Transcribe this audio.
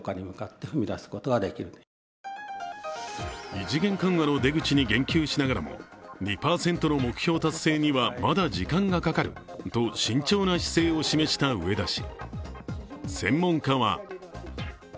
異次元緩和の出口に言及しながらも２％の目標達成にはまだ時間がかかると慎重な姿勢を示した植田氏。